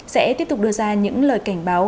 sẽ tiếp tục đưa ra những lời cảnh báo